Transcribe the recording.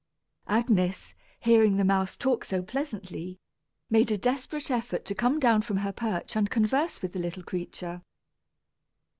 Agnes, hearing the mouse talk so pleasantly, made a desperate effort to come down from her perch and converse with the little creature.